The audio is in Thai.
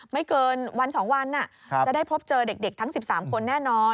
ไม่เกินวัน๒วันจะได้พบเจอเด็กทั้ง๑๓คนแน่นอน